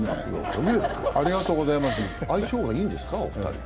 お二人、相性がいいんですか？